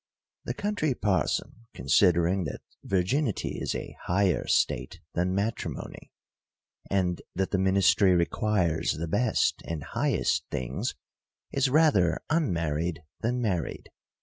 The Country Parson, considering that virginity is a higher state than matrimony, and that the ministry requires the best and highest things, is rather unmar ried than married.